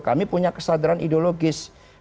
kami punya kesadaran ideologis punya kesadaran historis